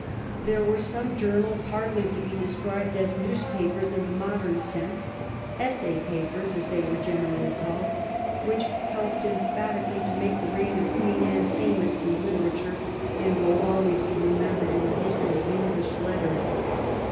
There were some journals, hardly to be described as newspapers in the modern sense, " essay papers, as they were generally called, which helped emphatically to make the reign of Queen Anne famous in literature, and will always be remembered in the history of Eng lish letters.